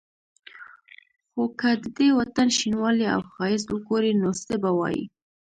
خو که د دې وطن شینوالی او ښایست وګوري نو څه به وايي.